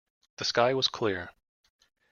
The sky was clear.